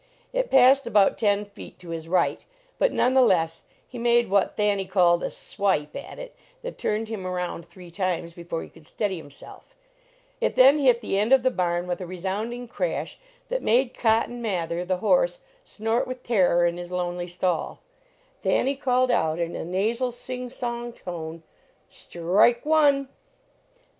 It passed about ten feet to his right, but none the less he made what Thanny called a swipe at 66 LEARNING TO PLAY it that turned him around three times before he could steady himself. It then hit the end of the barn with a resounding crash that made Cotton Mather, the horse, snort with terror in his lonely stall. Thanny called out in a nasal, sing song tone: "Strike one!"